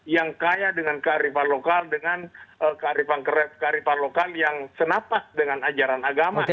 yang kaya dengan kearifan lokal dengan kearifan kearifan lokal yang senapas dengan ajaran agama